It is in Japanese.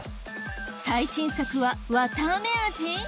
最新作はわたあめ味？